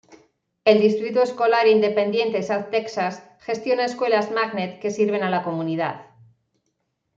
El Distrito Escolar Independiente South Texas gestiona escuelas magnet que sirven a la comunidad.